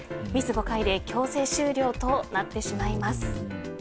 ミス５回で強制終了となってしまいます。